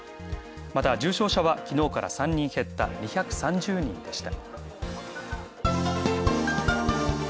また、重症者は昨日から３人減った２３０人でした。